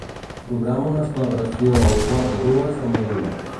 Programa una celebració a un quart de dues amb la Duna.